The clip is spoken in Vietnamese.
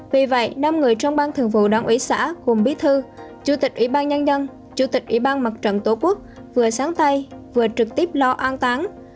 vì vậy năm người trong ban thường vụ đảng ủy xã gồm bí thư chủ tịch ủy ban nhân dân chủ tịch ủy ban mặt trận tổ quốc vừa sáng tay vừa trực tiếp lo an tán